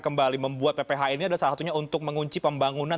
kembali membuat pphn ini adalah salah satunya untuk mengunci pembangunan